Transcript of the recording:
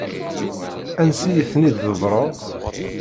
Ansi i ten-id-tḍebbreḍ?